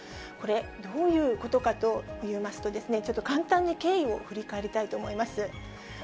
これ、どういうことかといいますと、ちょっと簡単に経緯を振り返りたいと思います。